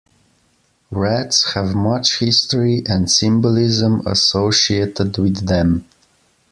Wreaths have much history and symbolism associated with them.